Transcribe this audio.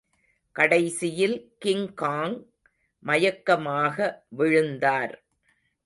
கடைசியில் கிங்காங் மயக்கமாக விழுந்தார்.